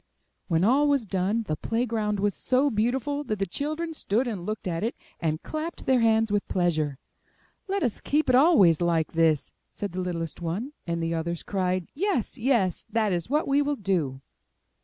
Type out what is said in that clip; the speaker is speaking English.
When all was done the play ground was so beautiful that the children stood and looked at it, and clapped their hands with pleasure. *'Let us keep it always like this!*' said the littlest one; and the others cried, Yes! yes! that is what we will do."